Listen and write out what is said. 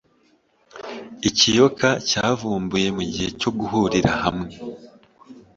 Ikiyoka cyavumbuye mugihe cyo guhurira hamwe